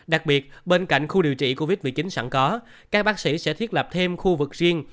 đặc biệt bên cạnh khu điều trị covid một mươi chín sẵn có các bác sĩ sẽ thiết lập thêm khu vực riêng